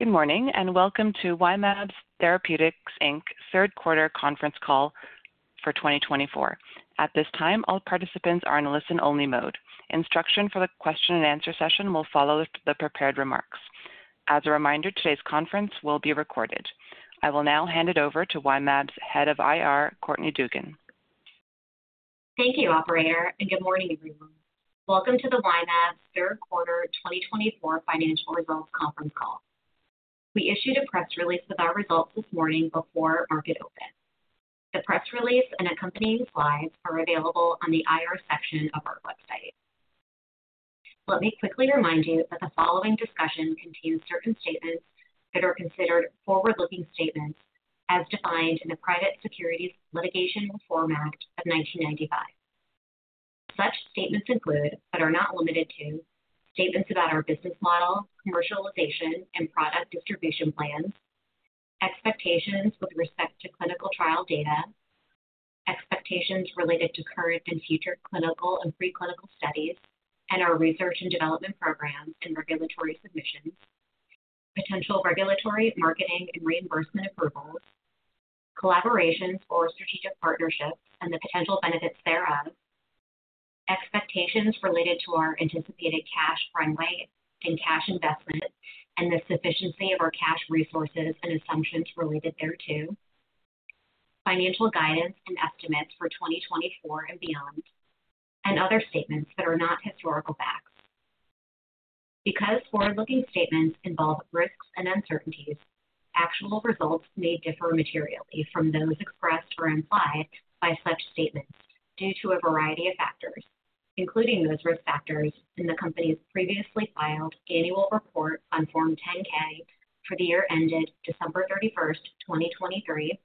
Good morning and welcome to Y-mAbs Therapeutics, Inc. Third Quarter Conference Call for 2024. At this time, all participants are in a listen-only mode. Instructions for the question and answer session will follow the prepared remarks. As a reminder, today's conference will be recorded. I will now hand it over to Y-mAbs Head of IR, Courtney Dugan. Thank you, Operator, and good morning, everyone. Welcome to the Y-mAbs third quarter 2024 financial results conference call. We issued a press release with our results this morning before market open. The press release and accompanying slides are available on the IR section of our website. Let me quickly remind you that the following discussion contains certain statements that are considered forward-looking statements as defined in the Private Securities Litigation Reform Act of 1995. Such statements include, but are not limited to, statements about our business model, commercialization, and product distribution plans, expectations with respect to clinical trial data, expectations related to current and future clinical and preclinical studies, and our research and development programs and regulatory submissions, potential regulatory, marketing, and reimbursement approvals, collaborations or strategic partnerships and the potential benefits thereof, expectations related to our anticipated cash runway and cash investment, and the sufficiency of our cash resources and assumptions related thereto, financial guidance and estimates for 2024 and beyond, and other statements that are not historical facts. Because forward-looking statements involve risks and uncertainties, actual results may differ materially from those expressed or implied by such statements due to a variety of factors, including those risk factors in the company's previously filed annual report on Form 10-K for the year ended December 31st, 2023,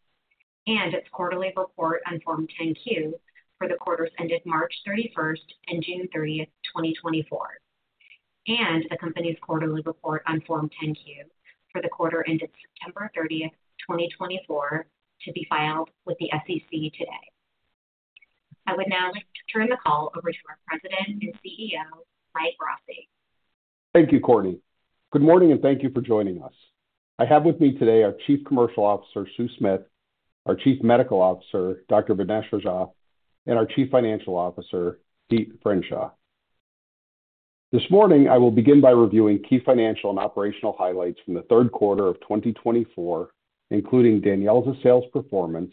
and its quarterly report on Form 10-Q for the quarters ended March 31st and June 30th, 2024, and the company's quarterly report on Form 10-Q for the quarter ended September 30th, 2024, to be filed with the SEC today. I would now like to turn the call over to our President and CEO, Mike Rossi. Thank you, Courtney. Good morning and thank you for joining us. I have with me today our Chief Commercial Officer, Sue Smith, our Chief Medical Officer, Dr. Vignesh Rajah, and our Chief Financial Officer, Pete Freundschuh. This morning, I will begin by reviewing key financial and operational highlights from the third quarter of 2024, including DANYELZA's sales performance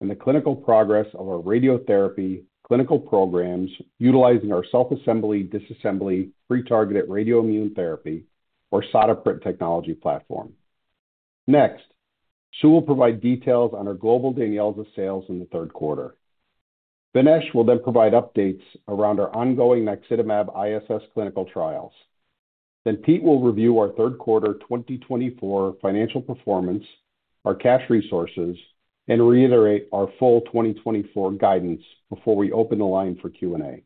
and the clinical progress of our radiotherapy clinical programs utilizing our self-assembly, disassembly, pre-targeted radioimmune therapy, or SADA-PRIT technology platform. Next, Sue will provide details on our global DANYELZA sales in the third quarter. Vignesh will then provide updates around our ongoing naxitamab ISS clinical trials. Then Pete will review our third quarter 2024 financial performance, our cash resources, and reiterate our full 2024 guidance before we open the line for Q&A.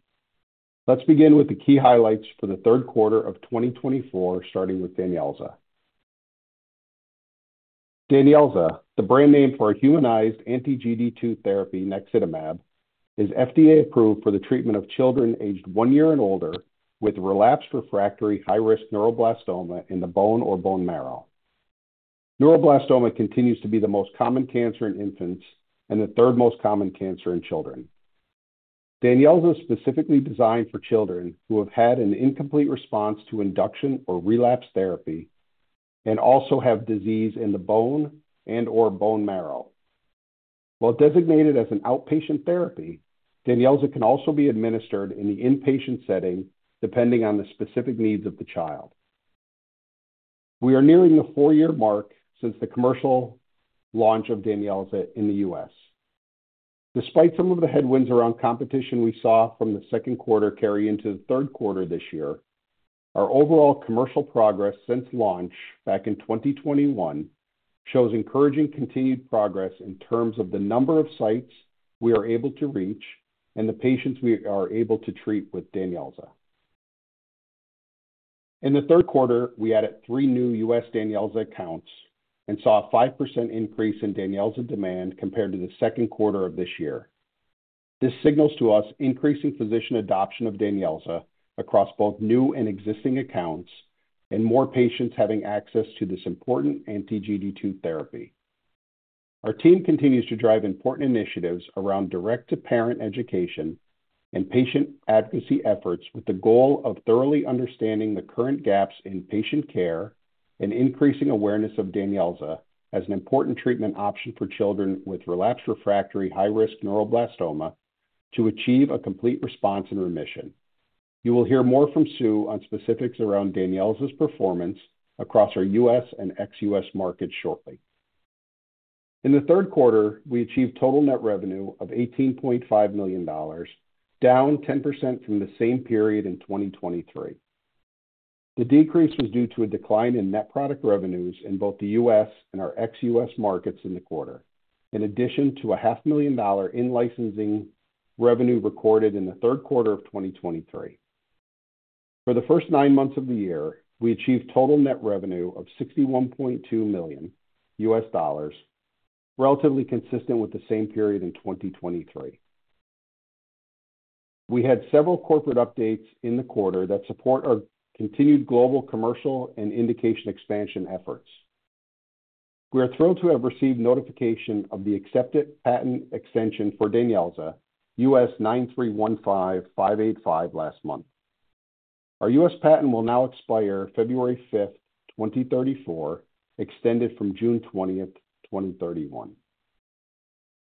Let's begin with the key highlights for the third quarter of 2024, starting with DANYELZA. DANYELZA, the brand name for a humanized anti-GD2 therapy, naxitamab, is FDA approved for the treatment of children aged one year and older with relapsed refractory high-risk neuroblastoma in the bone or bone marrow. Neuroblastoma continues to be the most common cancer in infants and the third most common cancer in children. DANYELZA is specifically designed for children who have had an incomplete response to induction or relapse therapy and also have disease in the bone and/or bone marrow. While designated as an outpatient therapy, DANYELZA can also be administered in the inpatient setting, depending on the specific needs of the child. We are nearing the four-year mark since the commercial launch of DANYELZA in the U.S. Despite some of the headwinds around competition we saw from the second quarter carrying into the third quarter this year, our overall commercial progress since launch back in 2021 shows encouraging continued progress in terms of the number of sites we are able to reach and the patients we are able to treat with DANYELZA. In the third quarter, we added three new U.S. DANYELZA accounts and saw a 5% increase in DANYELZA demand compared to the second quarter of this year. This signals to us increasing physician adoption of DANYELZA across both new and existing accounts and more patients having access to this important anti-GD2 therapy. Our team continues to drive important initiatives around direct-to-parent education and patient advocacy efforts with the goal of thoroughly understanding the current gaps in patient care and increasing awareness of DANYELZA as an important treatment option for children with relapsed refractory high-risk neuroblastoma to achieve a complete response and remission. You will hear more from Sue on specifics around DANYELZA performance across our U.S. and ex-U.S. markets shortly. In the third quarter, we achieved total net revenue of $18.5 million, down 10% from the same period in 2023. The decrease was due to a decline in net product revenues in both the U.S. and our ex-U.S. markets in the quarter, in addition to $500,000 in licensing revenue recorded in the third quarter of 2023. For the first nine months of the year, we achieved total net revenue of $61.2 million U.S. dollars, relatively consistent with the same period in 2023. We had several corporate updates in the quarter that support our continued global commercial and indication expansion efforts. We are thrilled to have received notification of the accepted patent extension for DANYELZA, U.S. 9315585 last month. Our U.S. patent will now expire February 5th, 2034, extended from June 20th, 2031.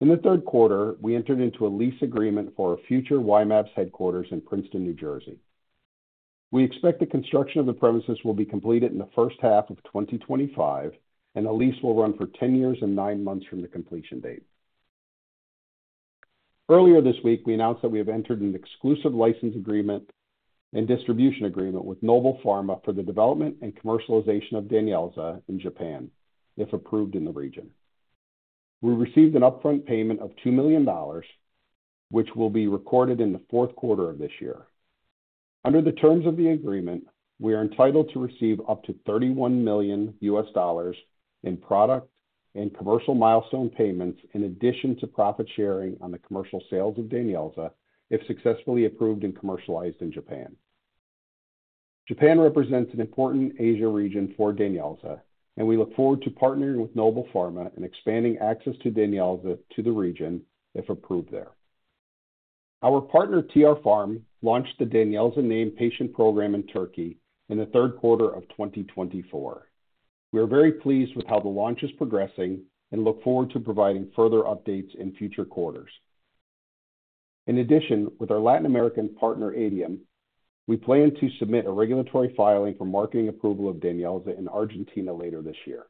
In the third quarter, we entered into a lease agreement for our future Y-mAbs headquarters in Princeton, New Jersey. We expect the construction of the premises will be completed in the first half of 2025, and the lease will run for 10 years and 9 months from the completion date. Earlier this week, we announced that we have entered an exclusive license agreement and distribution agreement with Nobelpharma for the development and commercialization of DANYELZA in Japan, if approved in the region. We received an upfront payment of $2 million, which will be recorded in the fourth quarter of this year. Under the terms of the agreement, we are entitled to receive up to $31 million in product and commercial milestone payments in addition to profit sharing on the commercial sales of DANYELZA, if successfully approved and commercialized in Japan. Japan represents an important Asia region for DANYELZA, and we look forward to partnering with Nobelpharma and expanding access to DANYELZA to the region if approved there. Our partner, TR Pharm, launched the DANYELZA named patient program in Turkey in the third quarter of 2024. We are very pleased with how the launch is progressing and look forward to providing further updates in future quarters. In addition, with our Latin American partner, Adium, we plan to submit a regulatory filing for marketing approval of DANYELZA in Argentina later this year.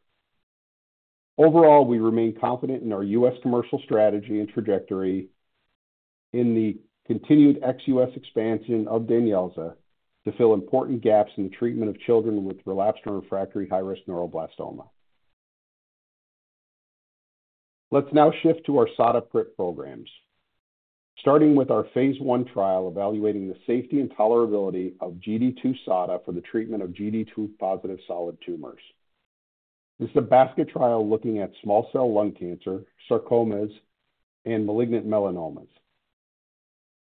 Overall, we remain confident in our U.S. commercial strategy and trajectory in the continued ex-U.S. expansion of DANYELZA to fill important gaps in the treatment of children with relapsed or refractory high-risk neuroblastoma. Let's now shift to our SADA-PRIT programs, starting with our phase one trial evaluating the safety and tolerability of GD2-SADA for the treatment of GD2 positive solid tumors. This is a basket trial looking at small cell lung cancer, sarcomas, and malignant melanomas.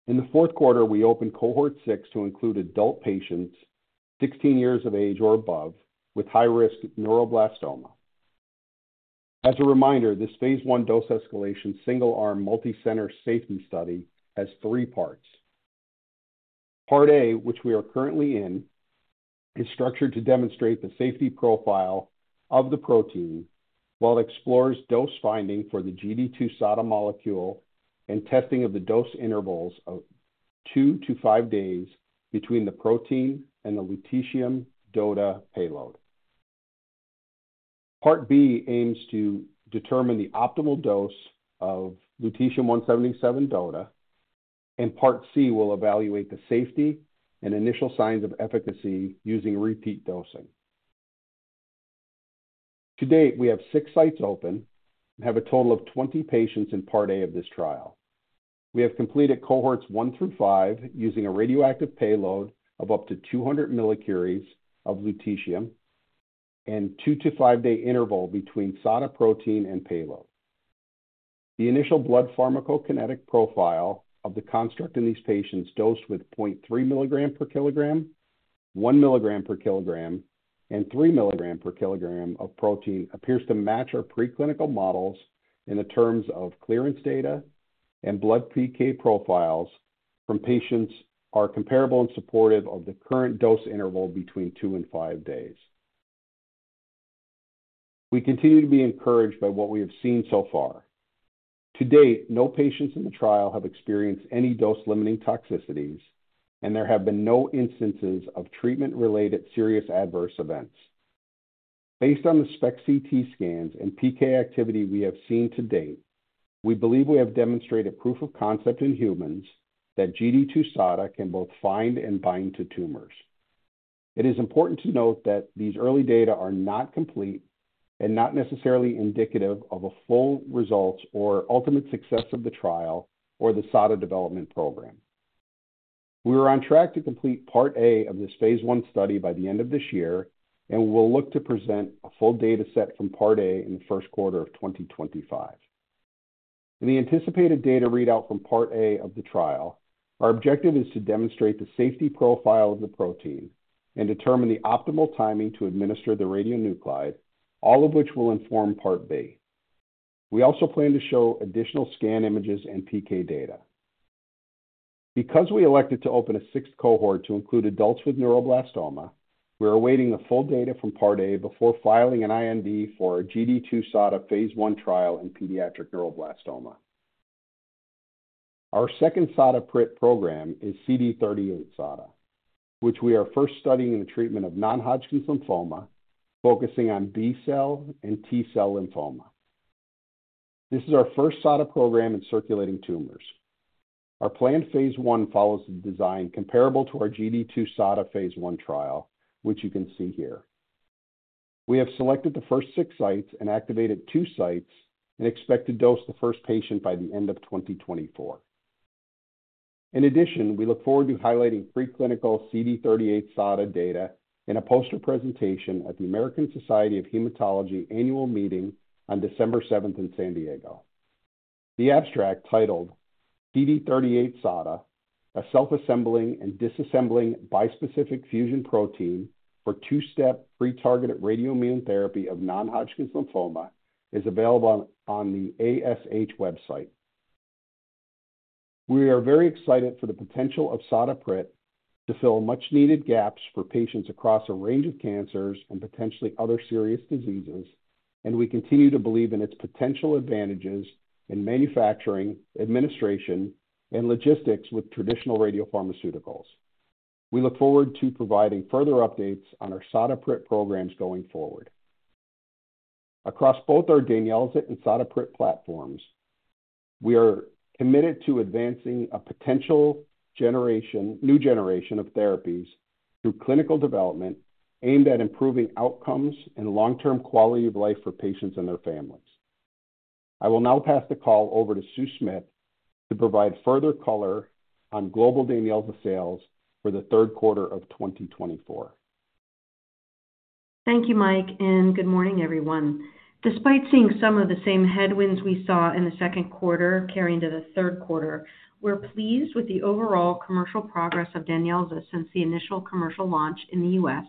In the fourth quarter, we opened cohort six to include adult patients 16 years of age or above with high-risk neuroblastoma. As a reminder, this phase one dose escalation single-arm multi-center safety study has three parts. Part A, which we are currently in, is structured to demonstrate the safety profile of the protein while it explores dose finding for the GD2-SADA molecule and testing of the dose intervals of two to five days between the protein and the Lutetium-177 DOTA payload. Part B aims to determine the optimal dose of Lutetium-177 DOTA, and Part C will evaluate the safety and initial signs of efficacy using repeat dosing. To date, we have six sites open and have a total of 20 patients in Part A of this trial. We have completed cohorts one through five using a radioactive payload of up to 200 millicuries of lutetium and a two to five-day interval between SADA protein and payload. The initial blood pharmacokinetic profile of the construct in these patients dosed with 0.3 milligram per kilogram, 1 milligram per kilogram, and 3 milligram per kilogram of protein appears to match our preclinical models in terms of clearance data, and blood PK profiles from patients are comparable and supportive of the current dose interval between two and five days. We continue to be encouraged by what we have seen so far. To date, no patients in the trial have experienced any dose-limiting toxicities, and there have been no instances of treatment-related serious adverse events. Based on the SPECT/CT scans and PK activity we have seen to date, we believe we have demonstrated proof of concept in humans that GD2-SADA can both find and bind to tumors. It is important to note that these early data are not complete and not necessarily indicative of full results or ultimate success of the trial or the SADA development program. We are on track to complete Part A of this phase 1 study by the end of this year, and we will look to present a full data set from Part A in the first quarter of 2025. In the anticipated data readout from Part A of the trial, our objective is to demonstrate the safety profile of the protein and determine the optimal timing to administer the radionuclide, all of which will inform Part B. We also plan to show additional scan images and PK data. Because we elected to open a sixth cohort to include adults with neuroblastoma, we are awaiting the full data from Part A before filing an IND for a GD2-SADA phase 1 trial in pediatric neuroblastoma. Our second SADA-PRIT program is CD38-SADA, which we are first studying in the treatment of non-Hodgkin's lymphoma, focusing on B-cell and T-cell lymphoma. This is our first SADA program in circulating tumors. Our planned phase 1 follows the design comparable to our GD2-SADA phase 1 trial, which you can see here. We have selected the first six sites and activated two sites and expect to dose the first patient by the end of 2024. In addition, we look forward to highlighting preclinical CD38-SADA data in a poster presentation at the American Society of Hematology annual meeting on December 7th in San Diego. The abstract titled "CD38-SADA: A Self-Assembling and Disassembling Bispecific Fusion Protein for Two-Step Pre-Targeted RadioimmunoTherapy of Non-Hodgkin's Lymphoma" is available on the ASH website. We are very excited for the potential of SADA-PRIT to fill much-needed gaps for patients across a range of cancers and potentially other serious diseases, and we continue to believe in its potential advantages in manufacturing, administration, and logistics with traditional radiopharmaceuticals. We look forward to providing further updates on our SADA-PRIT programs going forward. Across both our DANYELZA and SADA-PRIT platforms, we are committed to advancing a potential new generation of therapies through clinical development aimed at improving outcomes and long-term quality of life for patients and their families. I will now pass the call over to Sue Smith to provide further color on global DANYELZA sales for the third quarter of 2024. Thank you, Mike, and good morning, everyone. Despite seeing some of the same headwinds we saw in the second quarter carrying into the third quarter, we're pleased with the overall commercial progress of DANYELZA since the initial commercial launch in the U.S.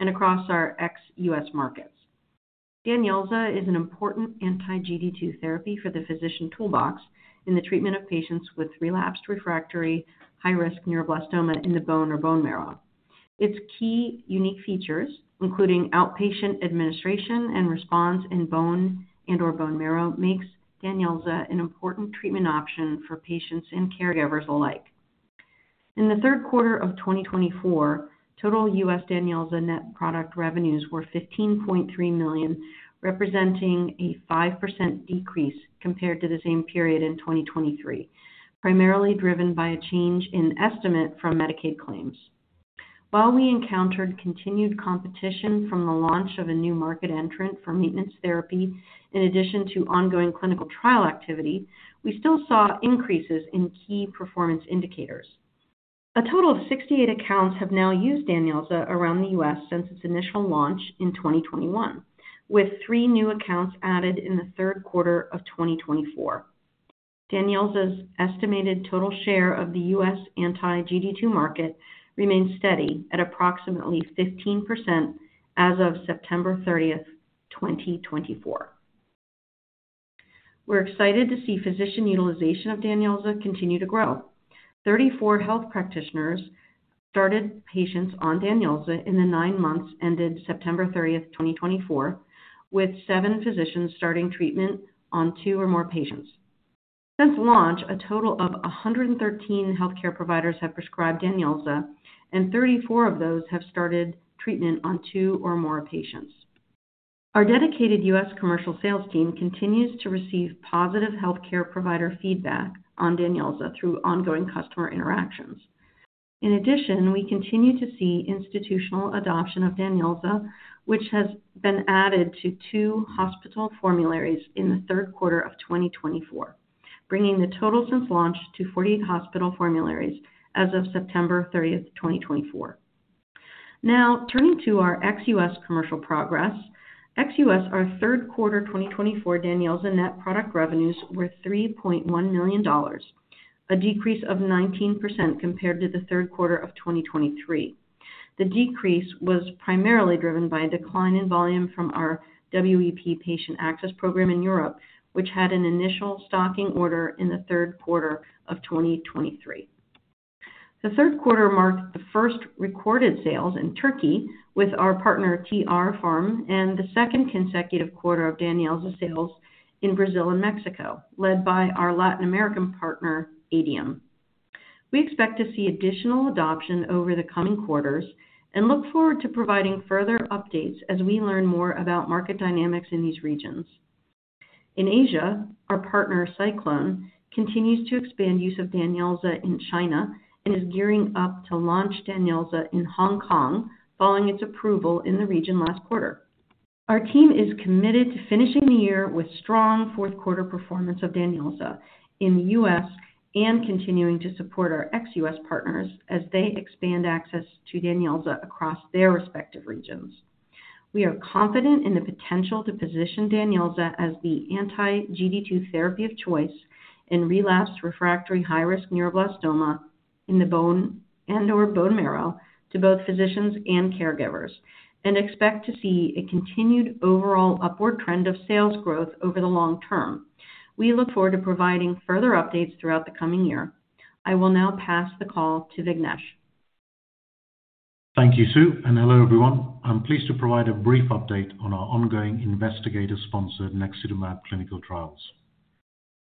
and across our ex-U.S. markets. DANYELZA is an important anti-GD2 therapy for the physician toolbox in the treatment of patients with relapsed refractory high-risk neuroblastoma in the bone or bone marrow. Its key unique features, including outpatient administration and response in bone and/or bone marrow, make DANYELZA an important treatment option for patients and caregivers alike. In the third quarter of 2024, total U.S. DANYELZA net product revenues were $15.3 million, representing a 5% decrease compared to the same period in 2023, primarily driven by a change in estimate from Medicaid claims. While we encountered continued competition from the launch of a new market entrant for maintenance therapy, in addition to ongoing clinical trial activity, we still saw increases in key performance indicators. A total of 68 accounts have now used DANYELZA around the U.S. since its initial launch in 2021, with three new accounts added in the third quarter of 2024. DANYELZA estimated total share of the U.S. anti-GD2 market remains steady at approximately 15% as of September 30th, 2024. We're excited to see physician utilization of DANYELZA continue to grow. 34 health practitioners started patients on DANYELZA in the nine months ended September 30th, 2024, with seven physicians starting treatment on two or more patients. Since launch, a total of 113 healthcare providers have prescribed DANYELZA, and 34 of those have started treatment on two or more patients. Our dedicated U.S. Commercial sales team continues to receive positive healthcare provider feedback on DANYELZA through ongoing customer interactions. In addition, we continue to see institutional adoption of DANYELZA, which has been added to two hospital formularies in the third quarter of 2024, bringing the total since launch to 48 hospital formularies as of September 30th, 2024. Now, turning to our ex-U.S. commercial progress, ex-U.S., our third quarter 2024 DANYELZA net product revenues were $3.1 million, a decrease of 19% compared to the third quarter of 2023. The decrease was primarily driven by a decline in volume from our WEP patient access program in Europe, which had an initial stocking order in the third quarter of 2023. The third quarter marked the first recorded sales in Turkey with our partner, TR Pharm, and the second consecutive quarter of DANYELZA sales in Brazil and Mexico, led by our Latin American partner, Adium. We expect to see additional adoption over the coming quarters and look forward to providing further updates as we learn more about market dynamics in these regions. In Asia, our partner, SciClone, continues to expand use of DANYELZA in China and is gearing up to launch DANYELZA in Hong Kong following its approval in the region last quarter. Our team is committed to finishing the year with strong fourth quarter performance of DANYELZA in the U.S. and continuing to support our ex-U.S. partners as they expand access to DANYELZA across their respective regions. We are confident in the potential to position DANYELZA as the anti-GD2 therapy of choice in relapsed refractory high-risk neuroblastoma in the bone and/or bone marrow to both physicians and caregivers and expect to see a continued overall upward trend of sales growth over the long term. We look forward to providing further updates throughout the coming year. I will now pass the call to Vignesh. Thank you, Sue, and hello, everyone. I'm pleased to provide a brief update on our ongoing investigator-sponsored naxitamab clinical trials.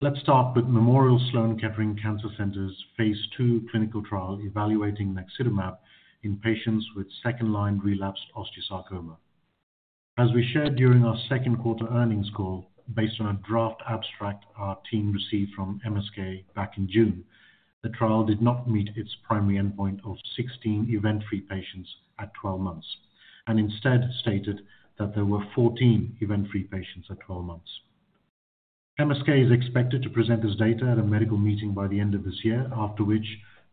Let's start with Memorial Sloan Kettering Cancer Center's phase two clinical trial evaluating naxitamab in patients with second-line relapsed osteosarcoma. As we shared during our second quarter earnings call, based on a draft abstract our team received from MSK back in June, the trial did not meet its primary endpoint of 16 event-free patients at 12 months and instead stated that there were 14 event-free patients at 12 months. MSK is expected to present this data at a medical meeting by the end of this year, after which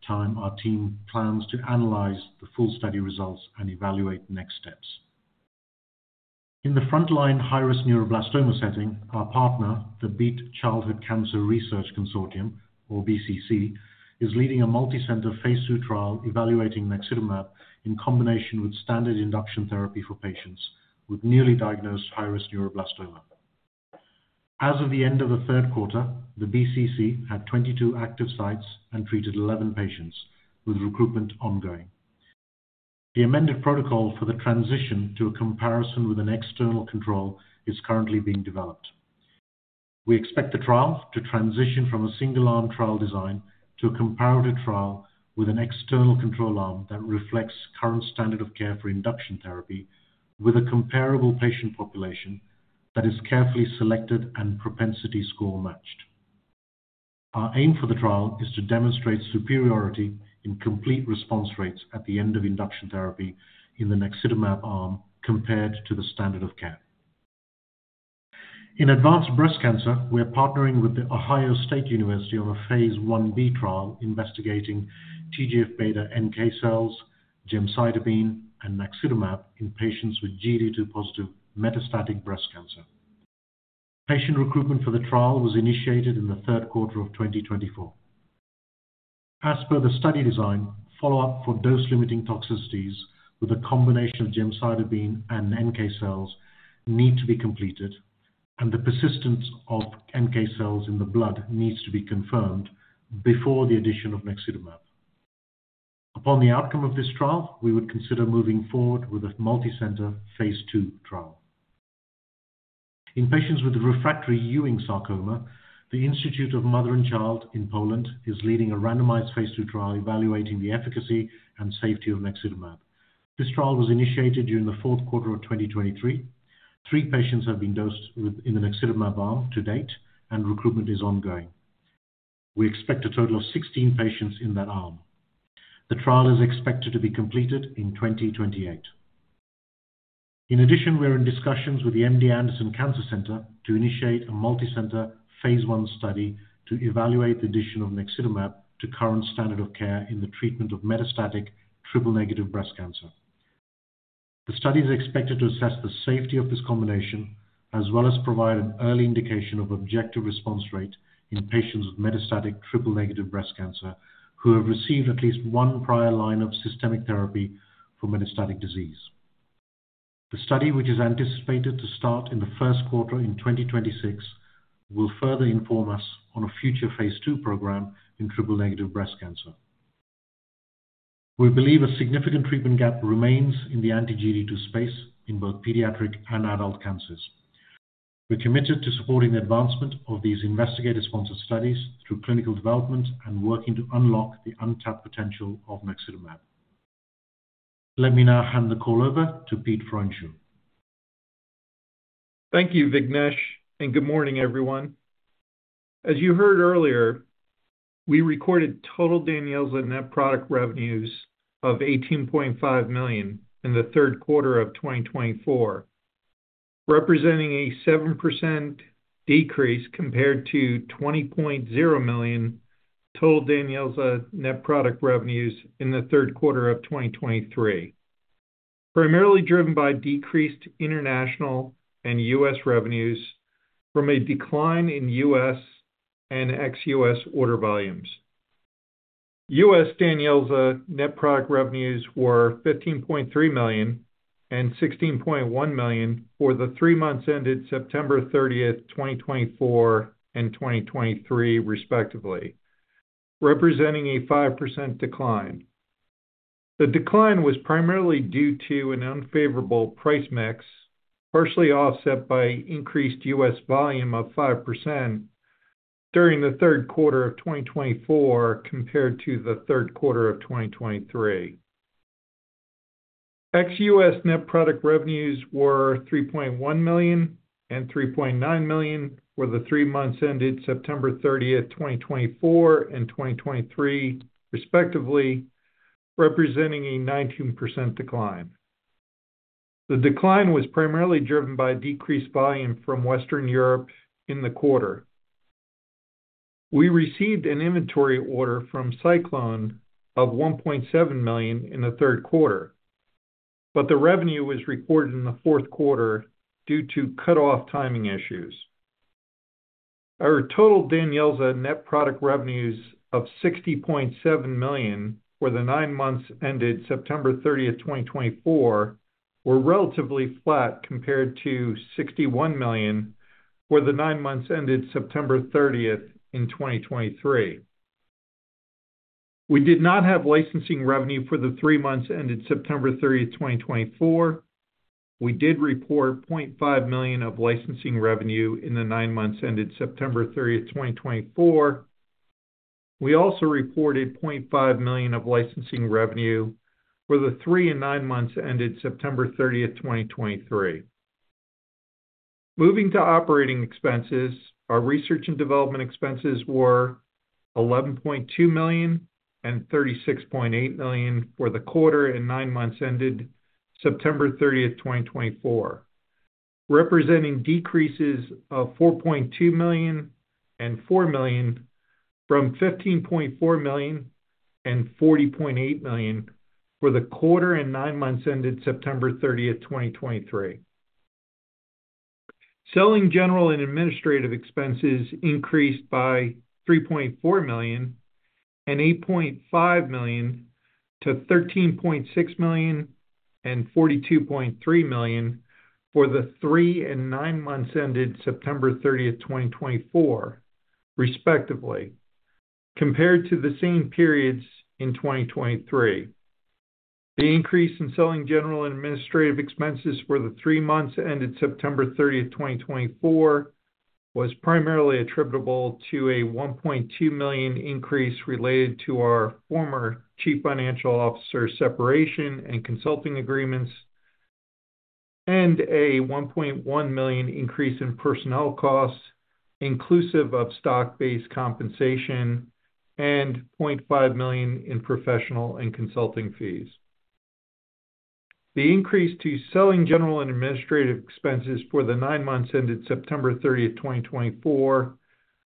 time our team plans to analyze the full study results and evaluate next steps. In the frontline high-risk neuroblastoma setting, our partner, the Beat Childhood Cancer Research Consortium, or BCC, is leading a multi-center phase 2 trial evaluating naxitamab in combination with standard induction therapy for patients with newly diagnosed high-risk neuroblastoma. As of the end of the third quarter, the BCC had 22 active sites and treated 11 patients with recruitment ongoing. The amended protocol for the transition to a comparison with an external control is currently being developed. We expect the trial to transition from a single-arm trial design to a comparative trial with an external control arm that reflects current standard of care for induction therapy with a comparable patient population that is carefully selected and propensity score matched. Our aim for the trial is to demonstrate superiority in complete response rates at the end of induction therapy in the naxitamab arm compared to the standard of care. In advanced breast cancer, we are partnering with the Ohio State University on a phase one b trial investigating TGF-β NK cells, gemcitabine, and naxitamab in patients with GD2 positive metastatic breast cancer. Patient recruitment for the trial was initiated in the third quarter of 2024. As per the study design, follow-up for dose-limiting toxicities with a combination of gemcitabine and NK cells need to be completed, and the persistence of NK cells in the blood needs to be confirmed before the addition of naxitamab. Upon the outcome of this trial, we would consider moving forward with a multi-center phase two trial. In patients with refractory Ewing sarcoma, the Institute of Mother and Child in Poland is leading a randomized phase two trial evaluating the efficacy and safety of naxitamab. This trial was initiated during the fourth quarter of 2023. Three patients have been dosed in the naxitamab arm to date, and recruitment is ongoing. We expect a total of 16 patients in that arm. The trial is expected to be completed in 2028. In addition, we are in discussions with the MD Anderson Cancer Center to initiate a multi-center phase one study to evaluate the addition of naxitamab to current standard of care in the treatment of metastatic triple-negative breast cancer. The study is expected to assess the safety of this combination, as well as provide an early indication of objective response rate in patients with metastatic triple-negative breast cancer who have received at least one prior line of systemic therapy for metastatic disease. The study, which is anticipated to start in the first quarter in 2026, will further inform us on a future phase two program in triple-negative breast cancer. We believe a significant treatment gap remains in the anti-GD2 space in both pediatric and adult cancers. We're committed to supporting the advancement of these investigator-sponsored studies through clinical development and working to unlock the untapped potential of naxitamab. Let me now hand the call over to Pete Freundschuh. Thank you, Vignesh, and good morning, everyone. As you heard earlier, we recorded total DANYELZA's net product revenues of $18.5 million in the third quarter of 2024, representing a 7% decrease compared to $20.0 million total DANYELZA's net product revenues in the third quarter of 2023, primarily driven by decreased international and U.S. revenues from a decline in U.S. and ex-U.S. order volumes. U.S. DANYELZA's net product revenues were $15.3 million and $16.1 million for the three months ended September 30th, 2024, and 2023, respectively, representing a 5% decline. The decline was primarily due to an unfavorable price mix, partially offset by increased U.S. volume of 5% during the third quarter of 2024 compared to the third quarter of 2023. Ex-U.S. net product revenues were $3.1 million and $3.9 million for the three months ended September 30th, 2024, and 2023, respectively, representing a 19% decline. The decline was primarily driven by decreased volume from Western Europe in the quarter. We received an inventory order from SciClone of $1.7 million in the third quarter, but the revenue was recorded in the fourth quarter due to cut-off timing issues. Our total DANYELZA's net product revenues of $60.7 million for the nine months ended September 30th, 2024, were relatively flat compared to $61 million, where the nine months ended September 30th in 2023. We did not have licensing revenue for the three months ended September 30th, 2024. We did report $0.5 million of licensing revenue in the nine months ended September 30th, 2024. We also reported $0.5 million of licensing revenue for the three and nine months ended September 30th, 2023. Moving to operating expenses, our research and development expenses were $11.2 million and $36.8 million for the quarter and nine months ended September 30th, 2024, representing decreases of $4.2 million and $4 million from $15.4 million and $40.8 million for the quarter and nine months ended September 30th, 2023. Selling general and administrative expenses increased by $3.4 million and $8.5 million to $13.6 million and $42.3 million for the three and nine months ended September 30th, 2024, respectively, compared to the same periods in 2023. The increase in selling, general, and administrative expenses for the three months ended September 30th, 2024, was primarily attributable to a $1.2 million increase related to our former chief financial officer separation and consulting agreements and a $1.1 million increase in personnel costs, inclusive of stock-based compensation, and $0.5 million in professional and consulting fees. The increase to selling, general, and administrative expenses for the nine months ended September 30th, 2024,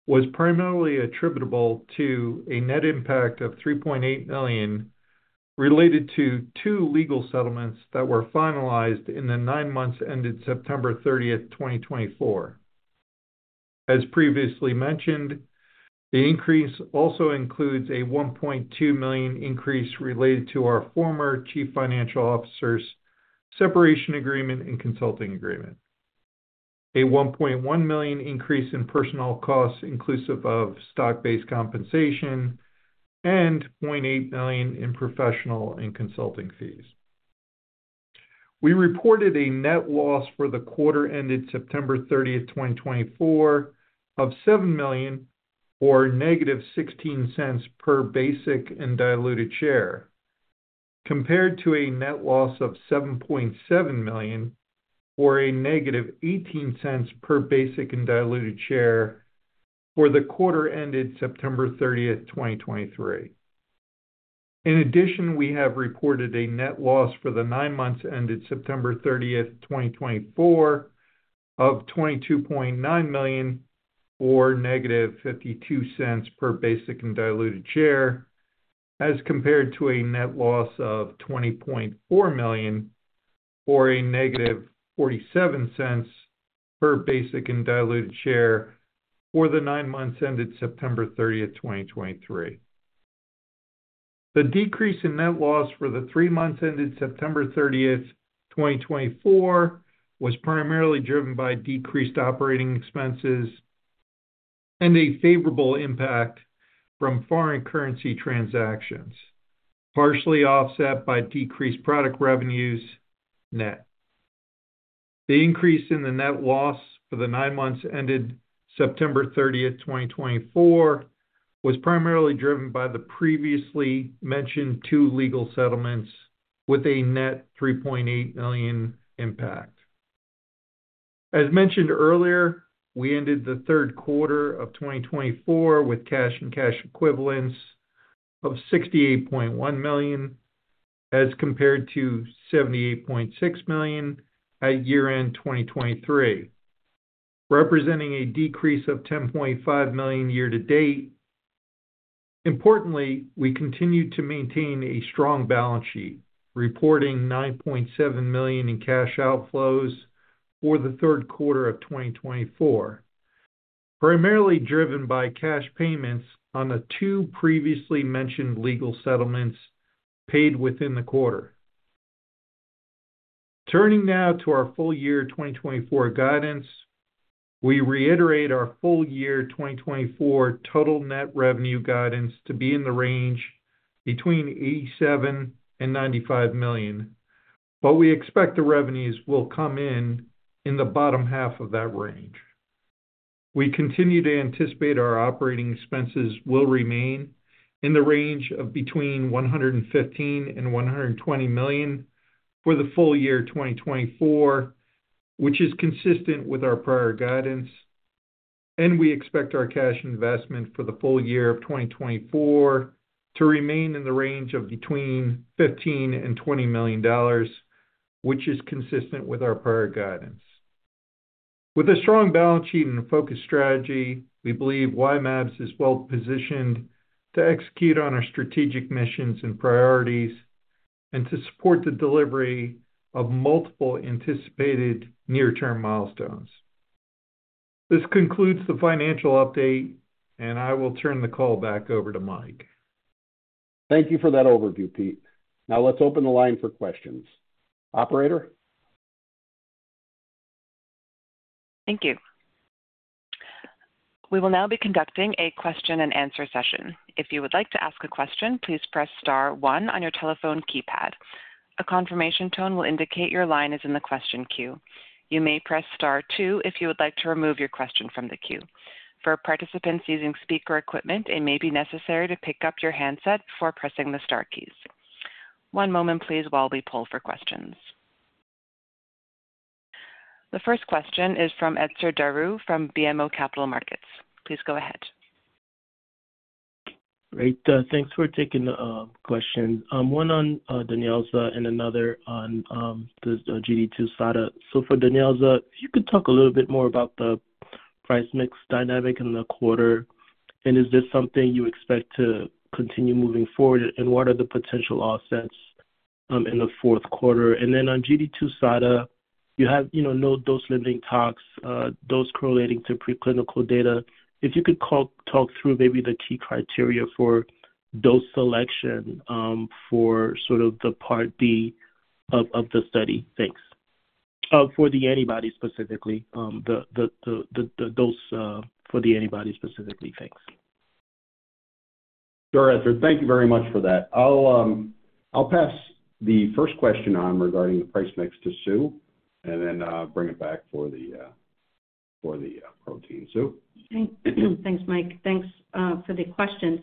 was primarily attributable to a net impact of $3.8 million related to two legal settlements that were finalized in the nine months ended September 30th, 2024. As previously mentioned, the increase also includes a $1.2 million increase related to our former chief financial officer's separation agreement and consulting agreement, a $1.1 million increase in personnel costs, inclusive of stock-based compensation, and $0.8 million in professional and consulting fees. We reported a net loss for the quarter ended September 30th, 2024, of $7 million, or negative $0.16 per basic and diluted share, compared to a net loss of $7.7 million, or a negative $0.18 per basic and diluted share for the quarter ended September 30th, 2023. In addition, we have reported a net loss for the nine months ended September 30th, 2024, of $22.9 million, or negative $0.52 per basic and diluted share, as compared to a net loss of $20.4 million, or a negative $0.47 per basic and diluted share for the nine months ended September 30th, 2023. The decrease in net loss for the three months ended September 30th, 2024, was primarily driven by decreased operating expenses and a favorable impact from foreign currency transactions, partially offset by decreased product revenues net. The increase in the net loss for the nine months ended September 30th, 2024, was primarily driven by the previously mentioned two legal settlements with a net $3.8 million impact. As mentioned earlier, we ended the third quarter of 2024 with cash and cash equivalents of $68.1 million, as compared to $78.6 million at year-end 2023, representing a decrease of $10.5 million year-to-date. Importantly, we continue to maintain a strong balance sheet, reporting $9.7 million in cash outflows for the third quarter of 2024, primarily driven by cash payments on the two previously mentioned legal settlements paid within the quarter. Turning now to our full year 2024 guidance, we reiterate our full year 2024 total net revenue guidance to be in the range between $87 and $95 million, but we expect the revenues will come in in the bottom half of that range. We continue to anticipate our operating expenses will remain in the range of between $115-$120 million for the full year 2024, which is consistent with our prior guidance, and we expect our cash investment for the full year of 2024 to remain in the range of between $15-$20 million, which is consistent with our prior guidance. With a strong balance sheet and focused strategy, we believe Y-mAbs is well positioned to execute on our strategic missions and priorities and to support the delivery of multiple anticipated near-term milestones. This concludes the financial update, and I will turn the call back over to Mike. Thank you for that overview, Pete. Now let's open the line for questions. Operator? Thank you. We will now be conducting a question-and-answer session. If you would like to ask a question, please press star one on your telephone keypad. A confirmation tone will indicate your line is in the question queue. You may press star two if you would like to remove your question from the queue. For participants using speaker equipment, it may be necessary to pick up your handset before pressing the star keys. One moment, please, while we pull for questions. The first question is from Etzer Darout from BMO Capital Markets. Please go ahead. Great. Thanks for taking the question. One on DANYELZA and another on the GD2-SADA. So for DANYELZA, if you could talk a little bit more about the price mix dynamic in the quarter, and is this something you expect to continue moving forward, and what are the potential offsets in the fourth quarter? And then on GD2-SADA, you have no dose-limiting tox, dose correlating to preclinical data. If you could talk through maybe the key criteria for dose selection for sort of the part B of the study. Thanks. For the antibody specifically, the dose for the antibody specifically. Thanks. Sure, Etzer. Thank you very much for that. I'll pass the first question on regarding the price mix to Sue and then bring it back for the protein. Sue? Thanks, Mike. Thanks for the question.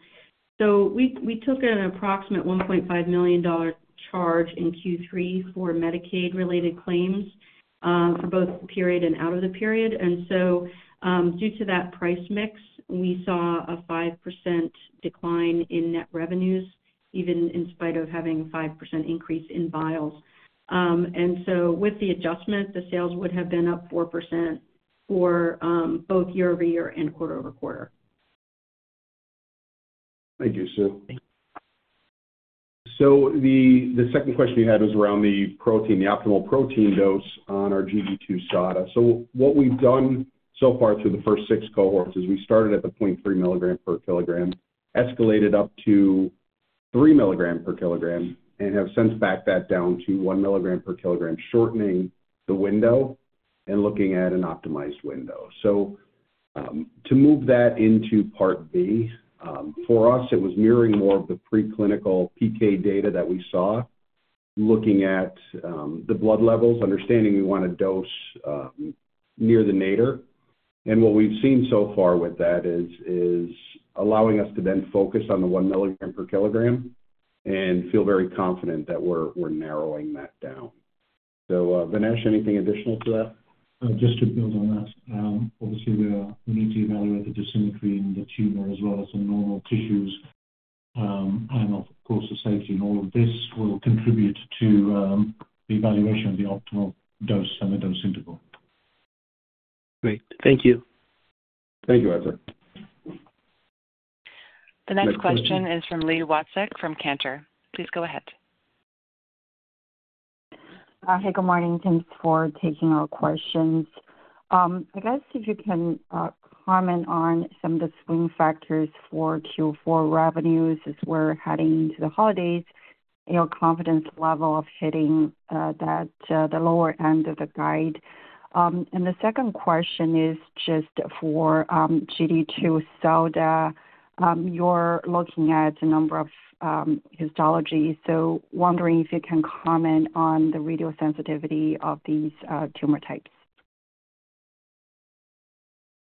So we took an approximate $1.5 million charge in Q3 for Medicaid-related claims for both period and out-of-the-period. And so due to that price mix, we saw a 5% decline in net revenues, even in spite of having a 5% increase in vials. And so with the adjustment, the sales would have been up 4% for both year-over-year and quarter-over-quarter. Thank you, Sue. So the second question you had was around the protein, the optimal protein dose on our GD2-SADA. What we've done so far through the first six cohorts is we started at the 0.3 milligram per kilogram, escalated up to 3 milligram per kilogram, and have since backed that down to 1 milligram per kilogram, shortening the window and looking at an optimized window. To move that into part B, for us, it was mirroring more of the preclinical PK data that we saw, looking at the blood levels, understanding we want to dose near the nadir. What we've seen so far with that is allowing us to then focus on the 1 milligram per kilogram and feel very confident that we're narrowing that down. Vignesh, anything additional to that? Just to build on that, obviously, we need to evaluate the dosimetry in the tumor as well as the normal tissues. And of course, the safety and all of this will contribute to the evaluation of the optimal dose and the dose interval. Great. Thank you. Thank you, Etzer. The next question is from Li Watsek from Cantor Fitzgerald. Please go ahead. Hi, good morning. Thanks for taking our questions. I guess if you can comment on some of the swing factors for Q4 revenues as we're heading into the holidays, your confidence level of hitting the lower end of the guide. And the second question is just for GD2-SADA. You're looking at a number of histologies. So wondering if you can comment on the radiosensitivity of these tumor types.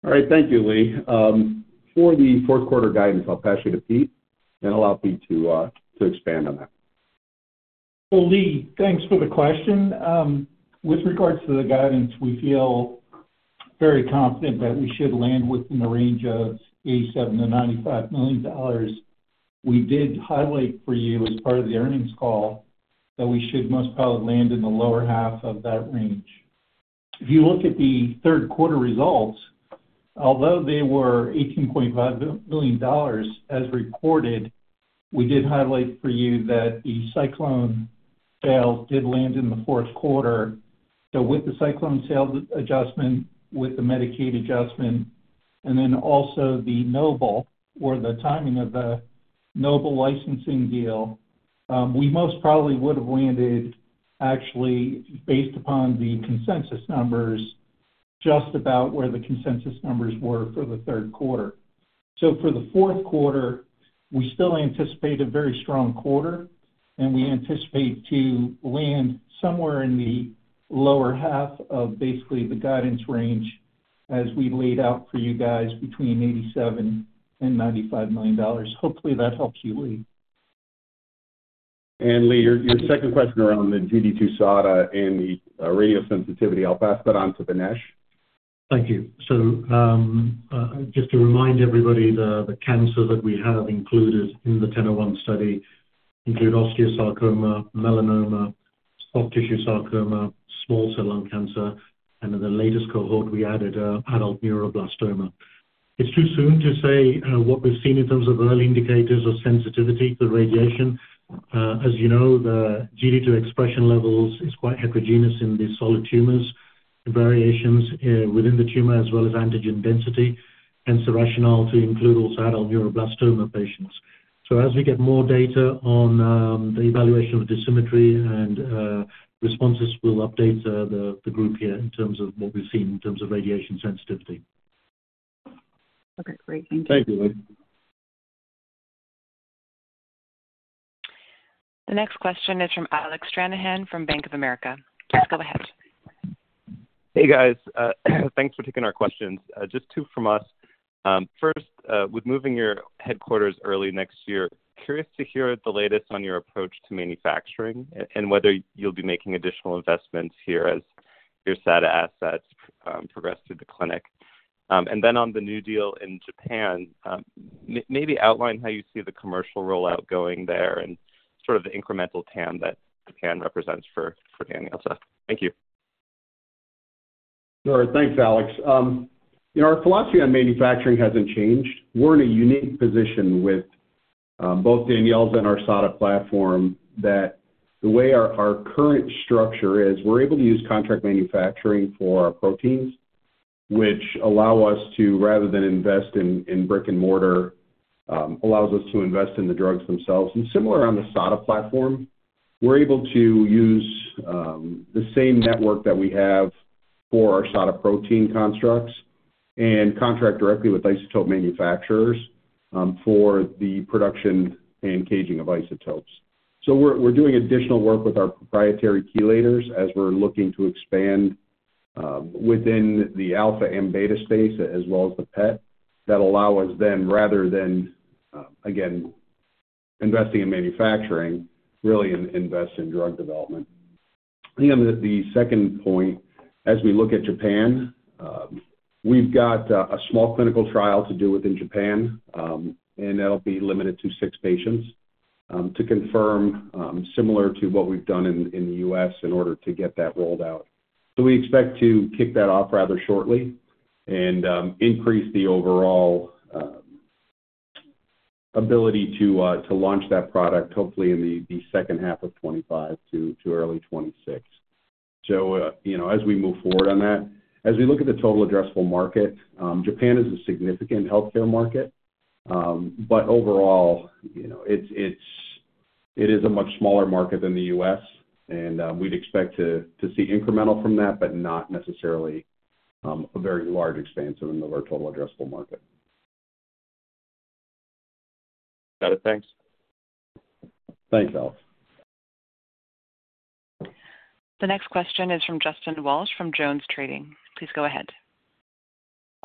All right. Thank you, Li. For the fourth quarter guidance, I'll pass you to Pete, and I'll allow Pete to expand on that. Well, Li, thanks for the question. With regards to the guidance, we feel very confident that we should land within the range of $87-$95 million. We did highlight for you as part of the earnings call that we should most probably land in the lower half of that range. If you look at the third quarter results, although they were $18.5 million as reported, we did highlight for you that the DANYELZA sales did land in the fourth quarter. So with the DANYELZA sales adjustment, with the Medicaid adjustment, and then also the Nobelpharma or the timing of the Nobelpharma licensing deal, we most probably would have landed, actually, based upon the consensus numbers, just about where the consensus numbers were for the third quarter. For the fourth quarter, we still anticipate a very strong quarter, and we anticipate to land somewhere in the lower half of basically the guidance range as we laid out for you guys between $87 and $95 million. Hopefully, that helps you, Lee. And Lee, your second question around the GD2-SADA and the radiosensitivity, I'll pass that on to Vignesh. Thank you. Just to remind everybody, the cancer that we have included in the 1001 study include osteosarcoma, melanoma, soft tissue sarcoma, small cell lung cancer, and in the latest cohort, we added adult neuroblastoma. It's too soon to say what we've seen in terms of early indicators of sensitivity to the radiation. As you know, the GD2 expression levels is quite heterogeneous in these solid tumors and variations within the tumor as well as antigen density, hence the rationale to include also adult neuroblastoma patients. So as we get more data on the evaluation of the dosimetry and responses, we'll update the group here in terms of what we've seen in terms of radiation sensitivity. Okay. Great. Thank you. Thank you, Li. The next question is from Alec Stranahan from Bank of America. Please go ahead. Hey, guys. Thanks for taking our questions. Just two from us. First, with moving your headquarters early next year, curious to hear the latest on your approach to manufacturing and whether you'll be making additional investments here as your SADA assets progress through the clinic. And then on the new deal in Japan, maybe outline how you see the commercial rollout going there and sort of the incremental TAM that TAM represents for DANYELZA. Thank you. Sure. Thanks, Alex. Our philosophy on manufacturing hasn't changed. We're in a unique position with both DANYELZA's and our SADA platform that the way our current structure is, we're able to use contract manufacturing for our proteins, which allow us to, rather than invest in brick and mortar, allows us to invest in the drugs themselves. And similar on the SADA platform, we're able to use the same network that we have for our SADA protein constructs and contract directly with isotope manufacturers for the production and caging of isotopes. So we're doing additional work with our proprietary chelators as we're looking to expand within the alpha and beta space as well as the PET that allow us then, rather than, again, investing in manufacturing, really invest in drug development. The second point, as we look at Japan, we've got a small clinical trial to do within Japan, and that'll be limited to six patients to confirm similar to what we've done in the U.S. in order to get that rolled out. So we expect to kick that off rather shortly and increase the overall ability to launch that product, hopefully, in the second half of 2025 to early 2026. So as we move forward on that, as we look at the total addressable market, Japan is a significant healthcare market, but overall, it is a much smaller market than the U.S., and we'd expect to see incremental from that, but not necessarily a very large expansion of our total addressable market. Got it. Thanks. Thanks, Alec. The next question is from Justin Walsh from JonesTrading. Please go ahead.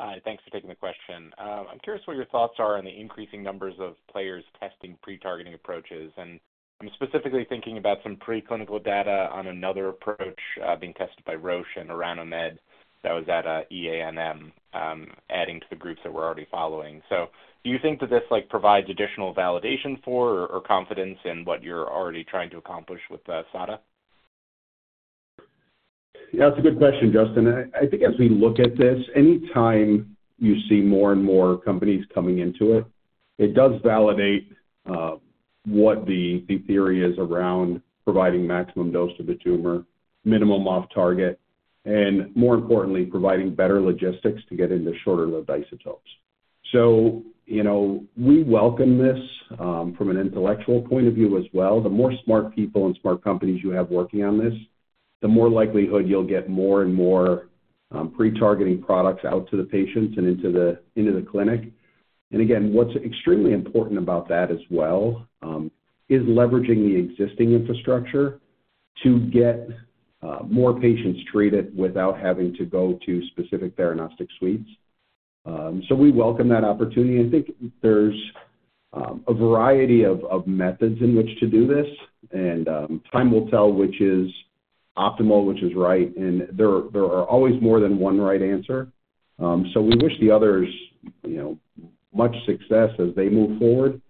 Hi. Thanks for taking the question. I'm curious what your thoughts are on the increasing numbers of players testing pretargeting approaches? I'm specifically thinking about some preclinical data on another approach being tested by Roche and Orano Med that was at EANM, adding to the groups that we're already following. So do you think that this provides additional validation for or confidence in what you're already trying to accomplish with SADA? Yeah. That's a good question, Justin. I think as we look at this, any time you see more and more companies coming into it, it does validate what the theory is around providing maximum dose to the tumor, minimum off-target, and more importantly, providing better logistics to get into shorter-lived isotopes. We welcome this from an intellectual point of view as well. The more smart people and smart companies you have working on this, the more likelihood you'll get more and more pretargeting products out to the patients and into the clinic. And again, what's extremely important about that as well is leveraging the existing infrastructure to get more patients treated without having to go to specific theranostic suites. So we welcome that opportunity. I think there's a variety of methods in which to do this, and time will tell which is optimal, which is right. And there are always more than one right answer. So we wish the others much success as they move forward.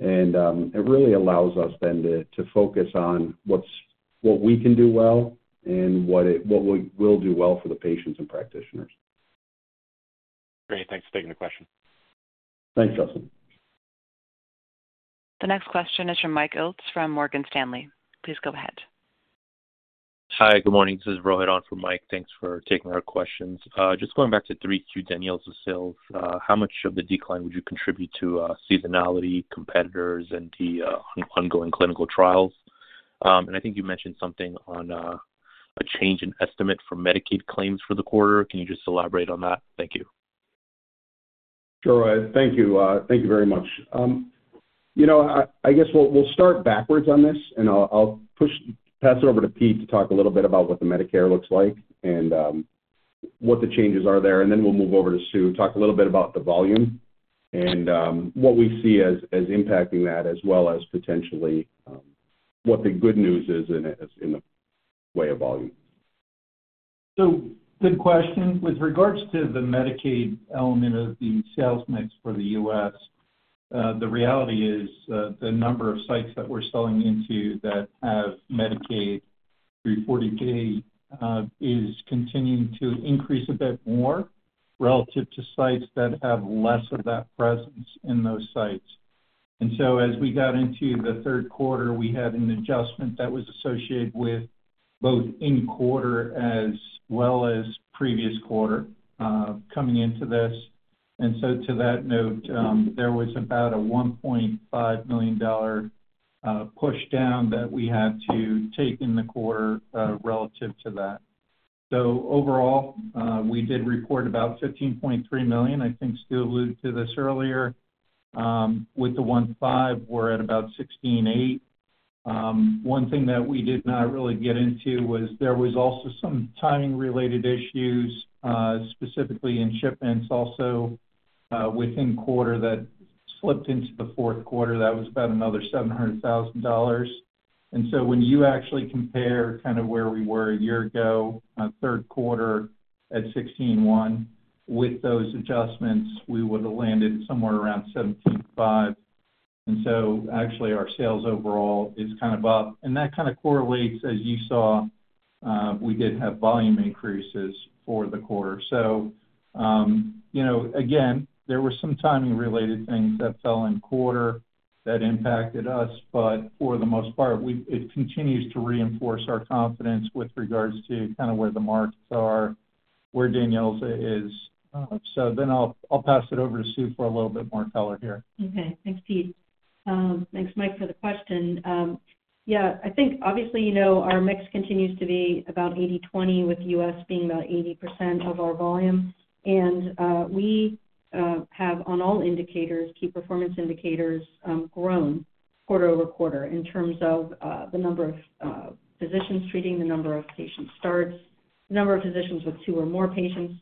And it really allows us then to focus on what we can do well and what we'll do well for the patients and practitioners. Great. Thanks for taking the question. Thanks, Justin. The next question is from Mike Ulz from Morgan Stanley. Please go ahead. Hi. Good morning. This is Rohit Bhasin from Morgan Stanley. Thanks for taking our questions. Just going back to 3Q DANYELZA sales, how much of the decline would you contribute to seasonality, competitors, and the ongoing clinical trials? And I think you mentioned something on a change in estimate for Medicare claims for the quarter. Can you just elaborate on that? Thank you. Sure. Thank you. Thank you very much. I guess we'll start backwards on this, and I'll pass it over to Pete to talk a little bit about what the Medicare looks like and what the changes are there. And then we'll move over to Sue, talk a little bit about the volume and what we see as impacting that as well as potentially what the good news is in the way of volume. So good question. With regards to the Medicaid element of the sales mix for the U.S., the reality is the number of sites that we're selling into that have Medicaid through 340B is continuing to increase a bit more relative to sites that have less of that presence in those sites. So as we got into the third quarter, we had an adjustment that was associated with both in quarter as well as previous quarter coming into this. To that note, there was about a $1.5 million push down that we had to take in the quarter relative to that. So overall, we did report about $15.3 million. I think Sue alluded to this earlier. With the 1.5, we're at about $16.8 million. One thing that we did not really get into was there was also some timing-related issues, specifically in shipments also within quarter that slipped into the fourth quarter. That was about another $700,000. So when you actually compare kind of where we were a year ago, third quarter at 16.1, with those adjustments, we would have landed somewhere around 17.5. Actually, our sales overall is kind of up. That kind of correlates, as you saw, we did have volume increases for the quarter. Again, there were some timing-related things that fell in quarter that impacted us. For the most part, it continues to reinforce our confidence with regards to kind of where the markets are, where DANYELZA is. Then I'll pass it over to Sue for a little bit more color here. Okay. Thanks, Pete. Thanks, Mike, for the question. Yeah. I think, obviously, our mix continues to be about 80/20 with US being about 80% of our volume. We have, on all indicators, key performance indicators grown quarter over quarter in terms of the number of physicians treating, the number of patient starts, the number of physicians with two or more patients.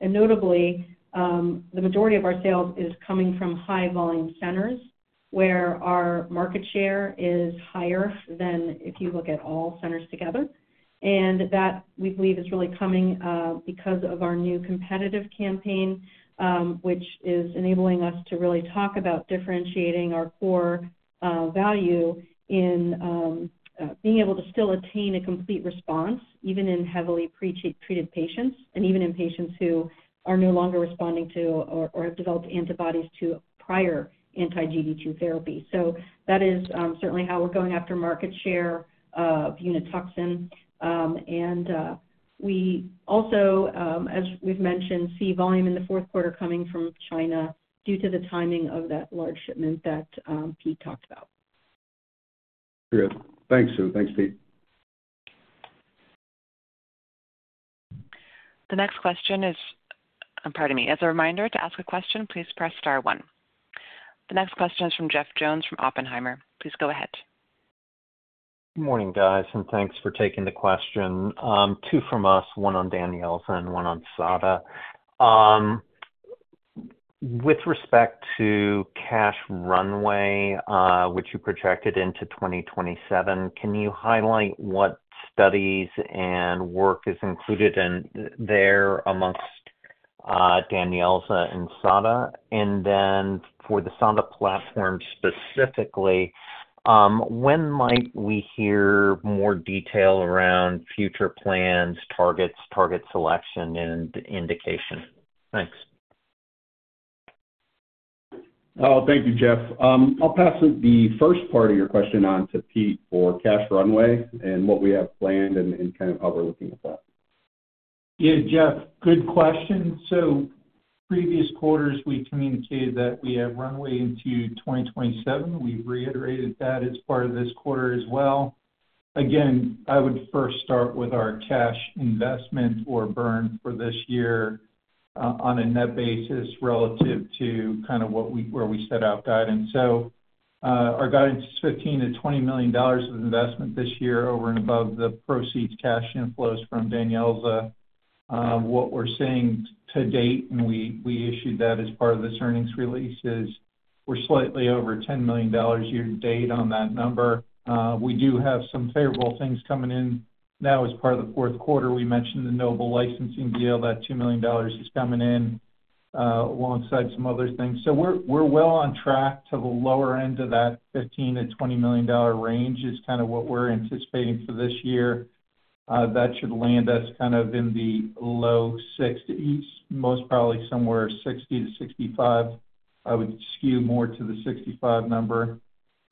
Notably, the majority of our sales is coming from high-volume centers where our market share is higher than if you look at all centers together. That, we believe, is really coming because of our new competitive campaign, which is enabling us to really talk about differentiating our core value in being able to still attain a complete response even in heavily pre-treated patients and even in patients who are no longer responding to or have developed antibodies to prior anti-GD2 therapy. That is certainly how we're going after market share of Unituxin. And we also, as we've mentioned, see volume in the fourth quarter coming from China due to the timing of that large shipment that Pete talked about. Good. Thanks, Sue. Thanks, Pete. The next question is, pardon me. As a reminder, to ask a question, please press star one. The next question is from Jeff Jones from Oppenheimer. Please go ahead. Good morning, guys. And thanks for taking the question. Two from us, one on DANYELZA and one on SADA. With respect to cash runway, which you projected into 2027, can you highlight what studies and work is included there amongst DANYELZA and SADA? And then for the SADA platform specifically, when might we hear more detail around future plans, targets, target selection, and indication? Thanks. Oh, thank you, Jeff. I'll pass the first part of your question on to Pete for cash runway and what we have planned and kind of how we're looking at that. Yeah, Jeff, good question. So previous quarters, we communicated that we have runway into 2027. We've reiterated that as part of this quarter as well. Again, I would first start with our cash investment or burn for this year on a net basis relative to kind of where we set out guidance. So our guidance is $15-$20 million of investment this year over and above the proceeds cash inflows from DANYELZA. What we're seeing to date, and we issued that as part of this earnings release, is we're slightly over $10 million year to date on that number. We do have some favorable things coming in now as part of the fourth quarter. We mentioned the Nobelpharma licensing deal, that $2 million is coming in alongside some other things, so we're well on track to the lower end of that $15-$20 million range is kind of what we're anticipating for this year. That should land us kind of in the low 60s, most probably somewhere 60 to 65. I would skew more to the 65 number.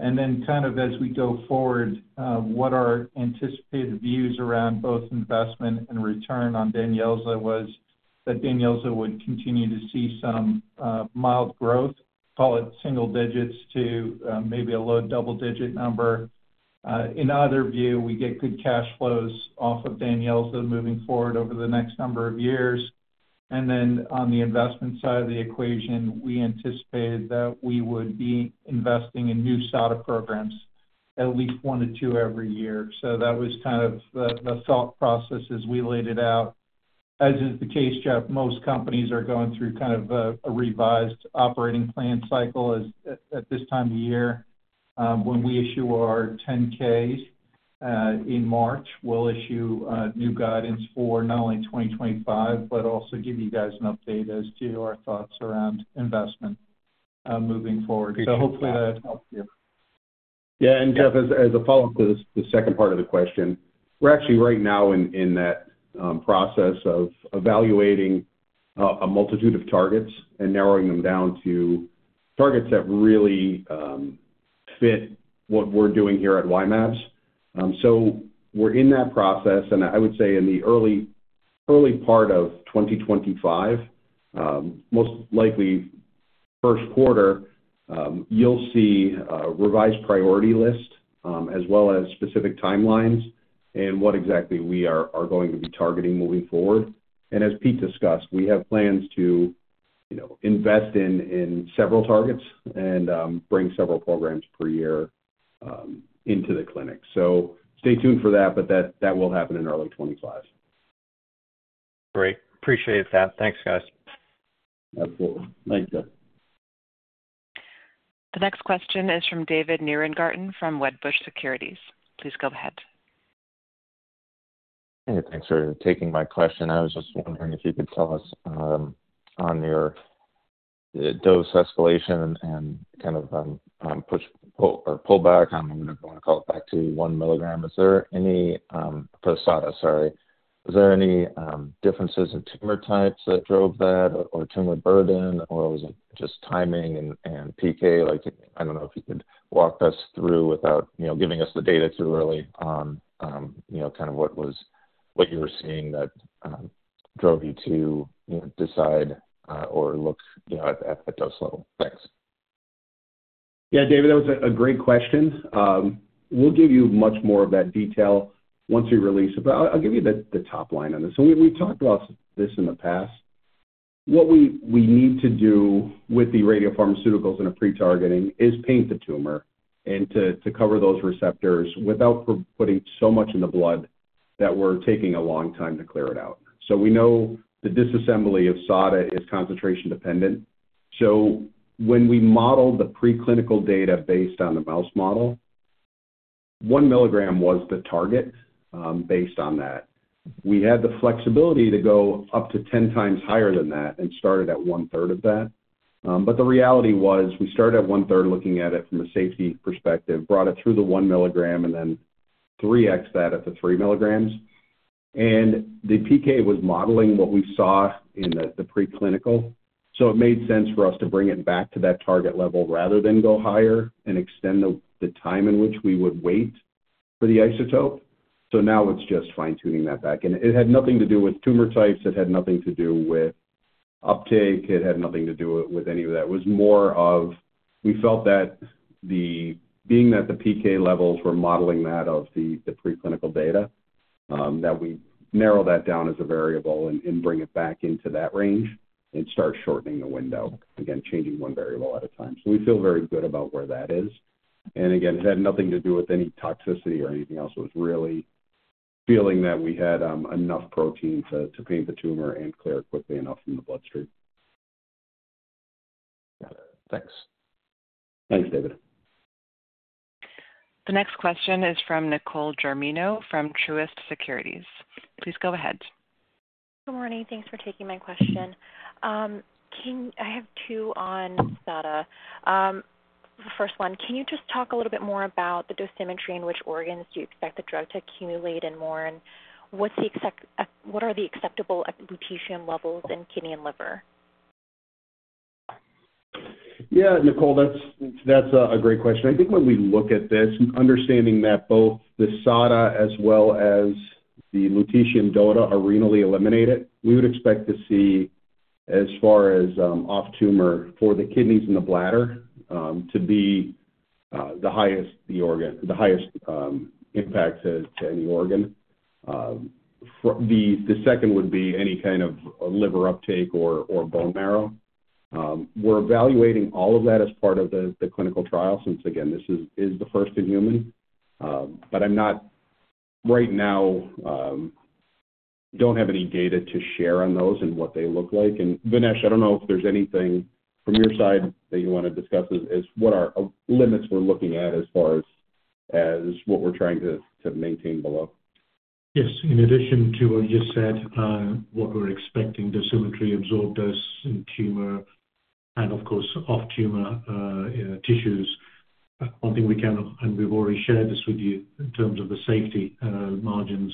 And then kind of as we go forward, what our anticipated views around both investment and return on DANYELZA's was that DANYELZA's would continue to see some mild growth, call it single digits to maybe a low double-digit number. In our view, we get good cash flows off of DANYELZA's moving forward over the next number of years. And then on the investment side of the equation, we anticipated that we would be investing in new SADA programs at least one to two every year. That was kind of the thought process as we laid it out. As is the case, Jeff, most companies are going through kind of a revised operating plan cycle at this time of year. When we issue our 10-Ks in March, we'll issue new guidance for not only 2025, but also give you guys an update as to our thoughts around investment moving forward. So hopefully, that helps you. Yeah. And Jeff, as a follow-up to the second part of the question, we're actually right now in that process of evaluating a multitude of targets and narrowing them down to targets that really fit what we're doing here at Y-mAbs. So we're in that process. And I would say in the early part of 2025, most likely first quarter, you'll see a revised priority list as well as specific timelines and what exactly we are going to be targeting moving forward. And as Pete discussed, we have plans to invest in several targets and bring several programs per year into the clinic. So stay tuned for that, but that will happen in early 2025. Great. Appreciate that. Thanks, guys. Absolutely. Thank you. The next question is from David Nierengarten from Wedbush Securities. Please go ahead. Hey, thanks for taking my question. I was just wondering if you could tell us on your dose escalation and kind of push or pull back, I don't know what I want to call it, back to one milligram. Is there any for SADA, sorry, is there any differences in tumor types that drove that or tumor burden, or was it just timing and PK? I don't know if you could walk us through without giving us the data too early on kind of what you were seeing that drove you to decide or look at the dose level. Thanks. Yeah, David, that was a great question. We'll give you much more of that detail once we release, but I'll give you the top line on this. So we've talked about this in the past. What we need to do with the radiopharmaceuticals and the pretargeting is paint the tumor and to cover those receptors without putting so much in the blood that we're taking a long time to clear it out. So we know the disassembly of SADA is concentration-dependent. So when we modeled the preclinical data based on the mouse model, one milligram was the target based on that. We had the flexibility to go up to 10 times higher than that and started at one-third of that. But the reality was we started at one-third looking at it from a safety perspective, brought it through the one milligram, and then 3x that at the three milligrams. And the PK was modeling what we saw in the preclinical. So it made sense for us to bring it back to that target level rather than go higher and extend the time in which we would wait for the isotope. So now it's just fine-tuning that back. And it had nothing to do with tumor types. It had nothing to do with uptake. It had nothing to do with any of that. It was more of we felt that being that the PK levels were modeling that of the preclinical data, that we narrow that down as a variable and bring it back into that range and start shortening the window, again, changing one variable at a time. So we feel very good about where that is. And again, it had nothing to do with any toxicity or anything else. It was really feeling that we had enough protein to paint the tumor and clear it quickly enough from the bloodstream. Got it. Thanks. Thanks, David. The next question is from Nicole Germano from Truist Securities. Please go ahead. Good morning. Thanks for taking my question. I have two on SADA. The first one, can you just talk a little bit more about the dosimetry and which organs do you expect the drug to accumulate and more, and what are the acceptable lutetium levels in kidney and liver? Yeah, Nicole, that's a great question. I think when we look at this and understanding that both the SADA as well as the lutetium DOTA are renally eliminated, we would expect to see, as far as off-tumor for the kidneys and the bladder, to be the highest impact to any organ. The second would be any kind of liver uptake or bone marrow. We're evaluating all of that as part of the clinical trial since, again, this is the first in human. But I'm not right now, don't have any data to share on those and what they look like. And Vignesh, I don't know if there's anything from your side that you want to discuss as what are limits we're looking at as far as what we're trying to maintain below. Yes. In addition to what you just said, what we're expecting, dosimetry absorbed dose in tumor and, of course, off-tumor tissues. One thing we can, and we've already shared this with you in terms of the safety margins.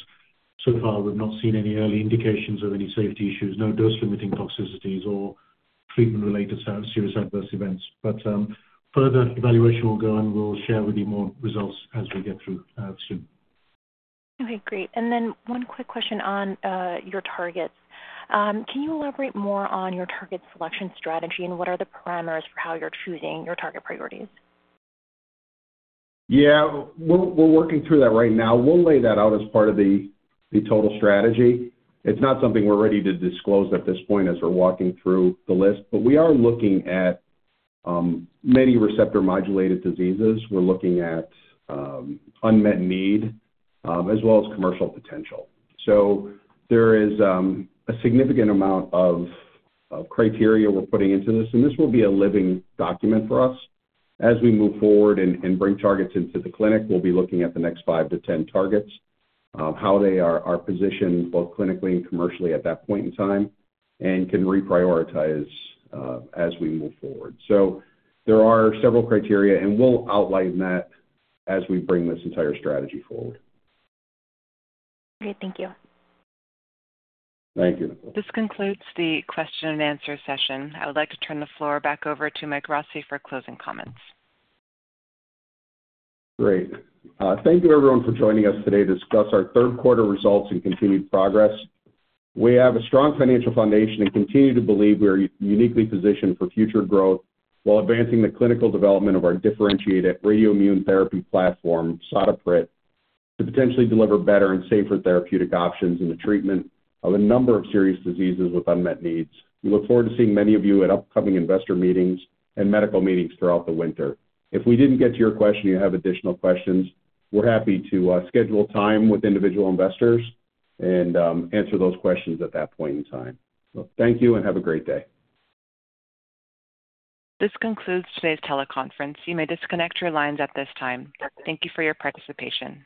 So far, we've not seen any early indications of any safety issues, no dose-limiting toxicities or treatment-related serious adverse events. But further evaluation will go on. We'll share with you more results as we get through soon. Okay. Great. And then one quick question on your targets. Can you elaborate more on your target selection strategy and what are the parameters for how you're choosing your target priorities? Yeah. We're working through that right now. We'll lay that out as part of the total strategy. It's not something we're ready to disclose at this point as we're walking through the list. But we are looking at many receptor-modulated diseases. We're looking at unmet need as well as commercial potential. So there is a significant amount of criteria we're putting into this. And this will be a living document for us. As we move forward and bring targets into the clinic, we'll be looking at the next five to 10 targets, how they are positioned both clinically and commercially at that point in time, and can reprioritize as we move forward. So there are several criteria, and we'll outline that as we bring this entire strategy forward. Okay. Thank you. Thank you, Nicole. This concludes the question-and-answer session. I would like to turn the floor back over to Mike Rossi for closing comments. Great. Thank you, everyone, for joining us today to discuss our third-quarter results and continued progress. We have a strong financial foundation and continue to believe we are uniquely positioned for future growth while advancing the clinical development of our differentiated radioimmune therapy platform, SADA-PRIT, to potentially deliver better and safer therapeutic options in the treatment of a number of serious diseases with unmet needs. We look forward to seeing many of you at upcoming investor meetings and medical meetings throughout the winter. If we didn't get to your question and you have additional questions, we're happy to schedule time with individual investors and answer those questions at that point in time. So thank you and have a great day. This concludes today's teleconference. You may disconnect your lines at this time. Thank you for your participation.